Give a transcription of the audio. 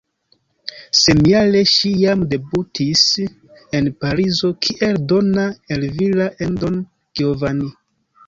Samjare ŝi jam debutis en Parizo kiel Donna Elvira en "Don Giovanni".